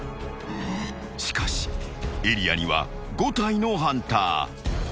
［しかしエリアには５体のハンター］